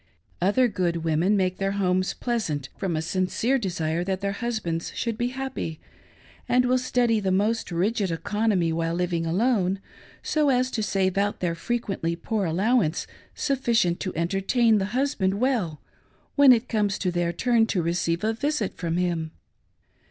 Other good women make their hpmes pleasant from a sin pere desire that their husbands should be happy, and wil} study, the most rigid economy while living alone, so as to save out of their frequently poor allowance sufficient to entertain the husband well when it comes to their turn to receive a visit from him.